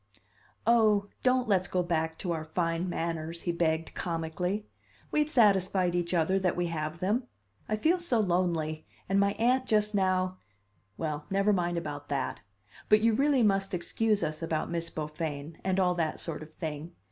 "Oh, don't let's go back to our fine manners!" he begged comically. "We've satisfied each other that we have them! I feel so lonely; and my aunt just now well, never mind about that. But you really must excuse us about Miss Beaufain, and all that sort of thing.